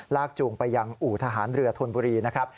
จูงไปยังอู่ทหารเรือธนบุรีนะครับ